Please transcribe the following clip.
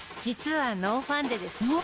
実はノーファンデです。